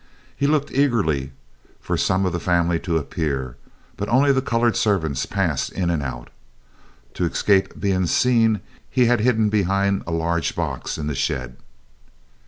He looked eagerly for some of the family to appear, but only the colored servants passed in and out. To escape being seen he had hidden behind a large box in the shed.